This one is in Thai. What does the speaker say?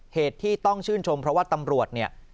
เหตุที่ต้องชื่นชมเพราะว่าตำรวจเนี่ย